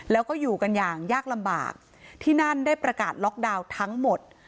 แล้วก็อยู่กันอย่างยากลำบากที่นั่นได้ประกาศล็อกดาวน์ทั้งหมด